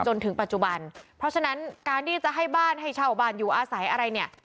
จนถึงปัจจุบันเพราะฉะนั้นการที่จะให้บ้านให้เช่าบ้านอยู่อาศัยอะไรเนี่ย